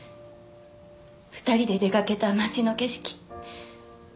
２人で出掛けた街の景色。